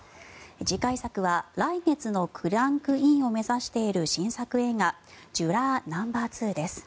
次回作は来月のクランクインを目指している新作映画「ＪｕｒｏｒＮＯ．２」です。